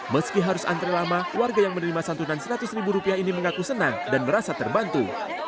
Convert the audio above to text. meski harus antre lama warga yang menerima santunan seratus ribu rupiah ini mengaku senang dan merasa terbantu